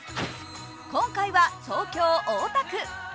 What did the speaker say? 今回は、東京・大田区。